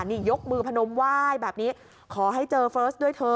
นี่ยกมือพนมไหว้แบบนี้ขอให้เจอเฟิร์สด้วยเธอ